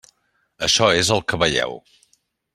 Això és el que veieu.